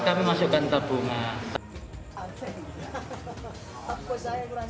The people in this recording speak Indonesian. kami masukkan tabungan